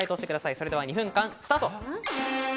それでは２分間、スタート！